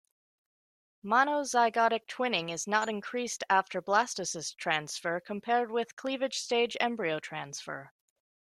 Monozygotic twinning is not increased after blastocyst transfer compared with cleavage-stage embryo transfer.